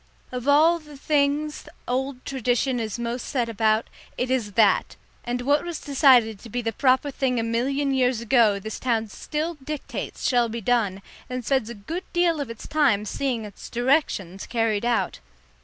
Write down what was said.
Of all the things old Tradition is most set about, it is that; and what was decided to be the proper thing a million years ago this town still dictates shall be done, and spends a good deal of its time seeing its directions carried out.